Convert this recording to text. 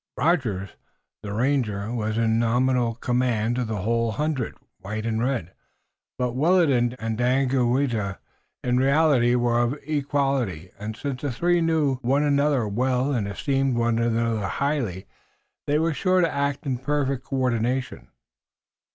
Rogers, the ranger, was in nominal command of the whole hundred, white and red, but Willet and Daganoweda in reality were on an equality, and since the three knew one another well and esteemed one another highly they were sure to act in perfect coordination.